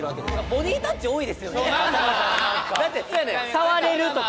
触れるとか。